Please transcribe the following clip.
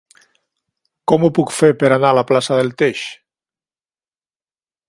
Com ho puc fer per anar a la plaça del Teix?